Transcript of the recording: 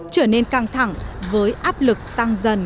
trở nên căng thẳng với áp lực tăng dần